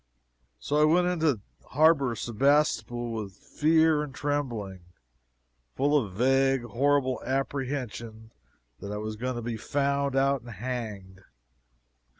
So I went into the harbor of Sebastopol with fear and trembling full of a vague, horrible apprehension that I was going to be found out and hanged.